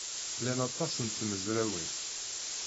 Lan aṭas n tmezrawin.